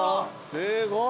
すごい。